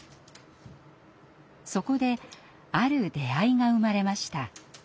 そこである出会いが生まれました。